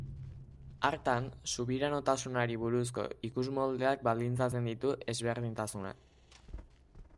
Hartan, subiranotasunari buruzko ikusmoldeak baldintzatzen ditu ezberdintasunak.